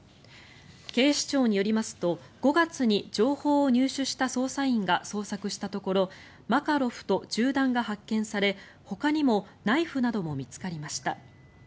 警視庁によりますと５月に情報を入手した捜査員が捜索したところマカロフと銃弾が発見されほかにもナイフなども見つかりました。